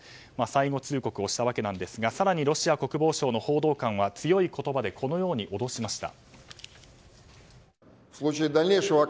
最後通告をしたわけですが更にロシア国防省の報道官は強い言葉でこのように脅しました。